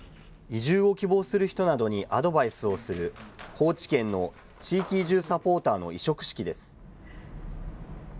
移住を希望する人などにアドバイスをする、高知県の地域移住サポーターの委嘱式です。